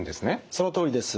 そのとおりです。